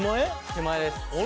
「手前です」